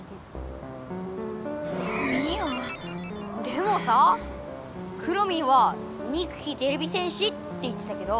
でもさくろミンはにくきてれび戦士って言ってたけど。